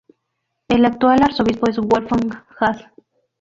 El actual arzobispo es Wolfgang Haas.